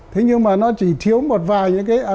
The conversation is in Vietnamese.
thế nhưng mà nó chỉ thiếu một vài những cái